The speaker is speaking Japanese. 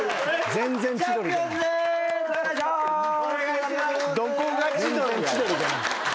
全然千鳥じゃない。